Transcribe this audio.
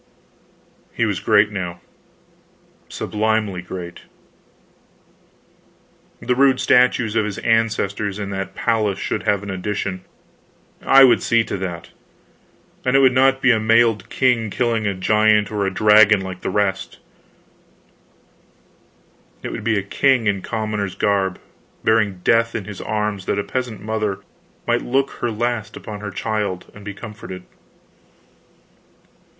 He was great now; sublimely great. The rude statues of his ancestors in his palace should have an addition I would see to that; and it would not be a mailed king killing a giant or a dragon, like the rest, it would be a king in commoner's garb bearing death in his arms that a peasant mother might look her last upon her child and be comforted.